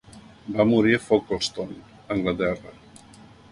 Va morir a Folkestone, Anglaterra.